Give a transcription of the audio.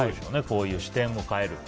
こういう視点を変える。